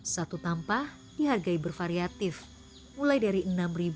satu tampah dihargai bervariatif mulai dari enam hingga sembilan rupiah